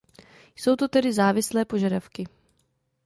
Jsou to tedy "závislé požadavky".